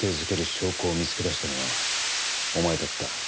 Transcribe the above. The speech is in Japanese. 証拠を見つけ出したのはお前だった。